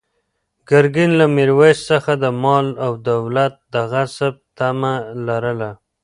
ګرګین له میرویس څخه د مال او دولت د غصب طمع لرله.